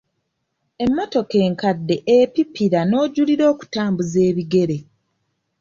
Emmotoka enkadde epipira n'ojulira okutambuza ebigere.